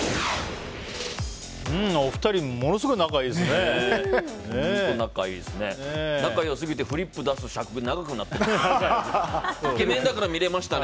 お二人ものすごい仲がいいですね。